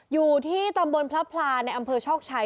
อยู่ที่ตำบลพระพลาในอำเภอโชคชัย